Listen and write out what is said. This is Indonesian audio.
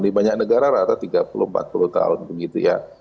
di banyak negara rata tiga puluh empat puluh tahun begitu ya